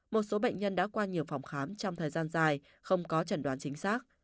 một số bệnh nhân đã qua nhiều phòng khám trong thời gian dài không có trần đoán chính xác